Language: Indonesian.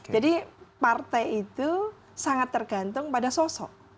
jadi partai itu sangat tergantung pada sosok